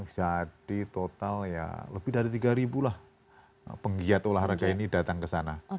jadi total lebih dari tiga ribu lah penggiat olahraga ini datang ke sana